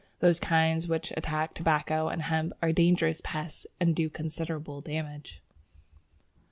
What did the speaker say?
Those kinds which attack Tobacco and Hemp are dangerous pests and do considerable damage.